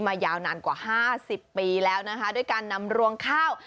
ยาวนานกว่า๕๐ปีแล้วนะคะด้วยการนำรวงข้าว